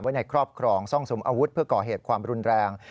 ในครอบครองซ่องสุมอาวุธเพื่อก่อเหตุความรุนแรง